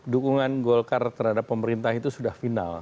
dukungan golkar terhadap pemerintah itu sudah final